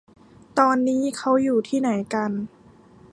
ตอนนี้เค้าอยู่ที่ไหนกัน